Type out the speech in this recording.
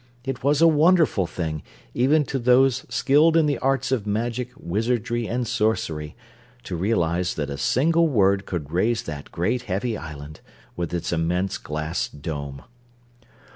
It was a wonderful thing, even to those skilled in the arts of magic, wizardry and sorcery, to realize that a single word could raise that great, heavy island, with its immense glass Dome.